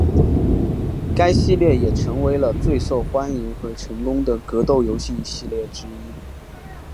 该系列也成为了最受欢迎和成功的格斗游戏系列之一。